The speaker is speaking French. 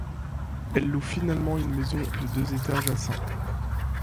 Elles louent finalement une maison de deux étages à St.